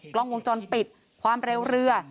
กล้องวงจรปิดความเร็วเรือ